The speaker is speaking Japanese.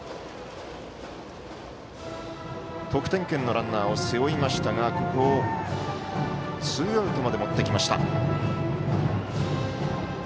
得点圏のランナーを背負いましたがツーアウトまでもってきました。